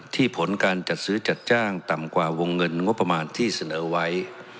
ผลการจัดซื้อจัดจ้างต่ำกว่าวงเงินงบประมาณที่เสนอไว้